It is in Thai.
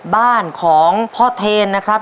บ้านของพ่อเทนนะครับ